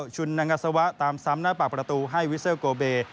ชุนนางอัศวะตามซ้ำหน้าปากประตูให้วิเซลโกเบ